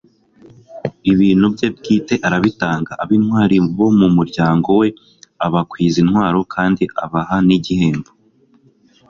ibintu bye bwite arabitanga, ab'intwari bo mu muryango we abakwiza intwaro kandi abaha n'igihembo